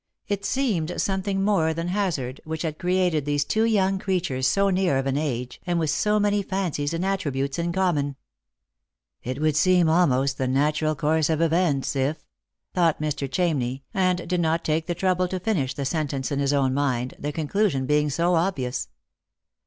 It seemed something more than hazard which had created these two young creatures so near of an age, and with bo many fancies and attributes in common. " It would seem almost the natural course of events, if " thought Mr. Ohamney, and did not take the trouble to finish the sentence in his own mind, the conclusion being so obvious.